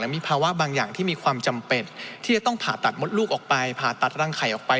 มีภาวะบางอย่างที่มีความจำเป็นที่จะต้องผ่าตัดมดลูกออกไปผ่าตัดรังไข่ออกไป